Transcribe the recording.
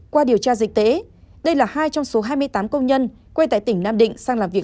qua điều tra dịch tễ đây là hai trong số hai mươi tám công nhân quê tại tỉnh nam định sang làm việc